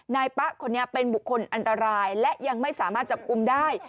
นายป๊ะคนนี้เป็นบุคคลอันตรายและยังไม่สามารถจับกลุ่มได้